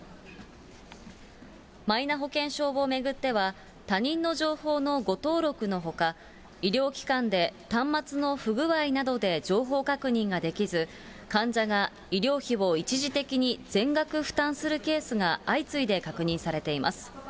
マイナ保険証を巡っては、他人の情報の誤登録のほか、医療機関で端末の不具合などで情報確認ができず、患者が医療費を一時的に全額負担するケースが相次いで確認されています。